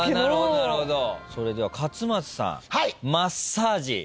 それでは勝俣さんマッサージ。